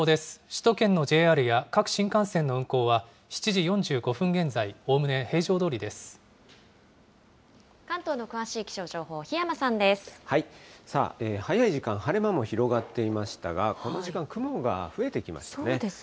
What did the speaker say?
首都圏のＪＲや各新幹線の運行は７時４５分現在、おおむね平常ど関東の詳しい気象情報、檜山さあ、早い時間、晴れ間も広がっていましたが、この時間、雲が増えてきましたね。